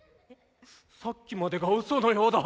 さっきまでがうそのようだ。